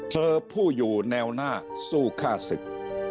ผู้อยู่แนวหน้าสู้ฆ่าศึก